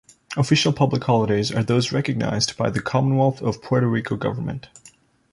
Official public holidays are those recognized by the Commonwealth of Puerto Rico government.